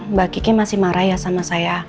mbak kiki masih marah ya sama saya